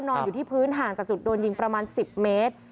นอนอยู่ที่พื้นห่างจากจุดโดนยิงประมาณ๑๐เมตร